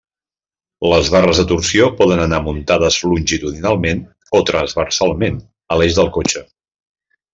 Les barres de torsió poden anar muntades longitudinalment o transversalment a l'eix del cotxe.